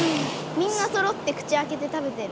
みんなそろって口開けて食べてる。